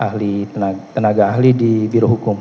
ahli tenaga ahli di biro hukum